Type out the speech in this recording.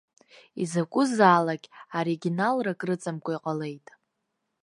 Изакәызаалак оригиналрак рыҵамкәа иҟалеит.